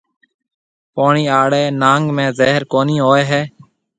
پوڻِي آݪي ناگ ۾ زهر ڪونِي هوئي هيَ۔